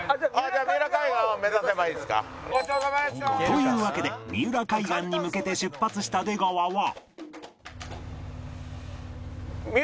というわけで三浦海岸に向けて出発した出川は